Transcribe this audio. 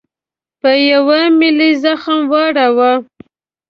په یوه ملي زخم واړاوه.